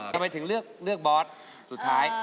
ทำไมถึงเลือกบอสสุดท้าย